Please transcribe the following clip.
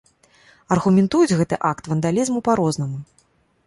Аргументуюць гэты акт вандалізму па-рознаму.